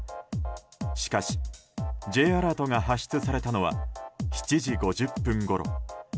しかし、Ｊアラートが発出されたのは７時５０分ごろ。